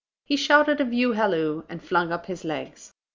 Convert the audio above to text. He shouted a view halloo, and flung up his legs.